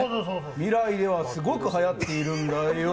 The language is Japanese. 未来ではすごくはやっているんだよ。